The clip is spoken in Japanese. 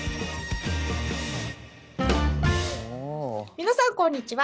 皆さんこんにちは。